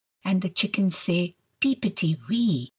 And the chickens say, "Peepity wee!"